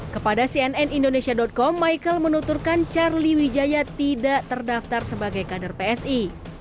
kepada cnn indonesia com michael menuturkan charlie wijaya tidak terdaftar sebagai kader psi